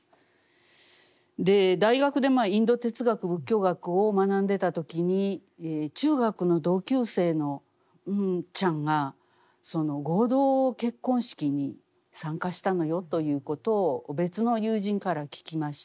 大学でインド哲学仏教学を学んでいた時に中学の同級生のンンちゃんが合同結婚式に参加したのよということを別の友人から聞きました。